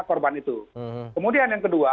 korban itu kemudian yang kedua